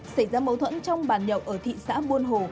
xảy ra mâu thuẫn trong bàn nhậu ở thị xã buôn hồ